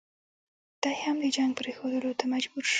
دی هم د جنګ پرېښودلو ته مجبور شو.